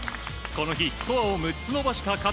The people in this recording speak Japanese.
この日、スコアを６つ伸ばした勝。